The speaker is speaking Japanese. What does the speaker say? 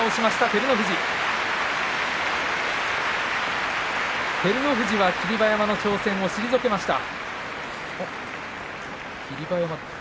照ノ富士は霧馬山の挑戦を退けました。